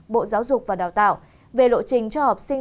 bộ giáo dục và đào tạo về lộ trình cho học sinh